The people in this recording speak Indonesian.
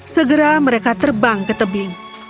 segera mereka terbang ke tebing